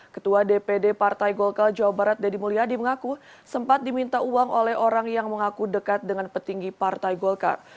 ketua dpd partai golkar jawa barat deddy mulyadi mengaku sempat diminta uang oleh orang yang mengaku dekat dengan petinggi partai golkar